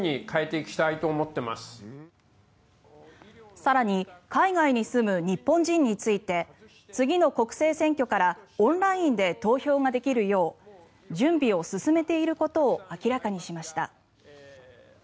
更に海外に住む日本人について次の国政選挙からオンラインで投票ができるよう準備を進めていることを明らかにしました。